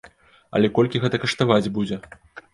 Але колькі гэта каштаваць будзе!?